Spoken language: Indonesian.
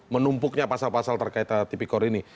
menumpuknya pasal pasal terkait tipikor ini